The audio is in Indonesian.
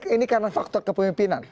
ini karena faktor kepemimpinan